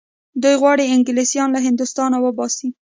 دوی غواړي انګلیسیان له هندوستانه وباسي.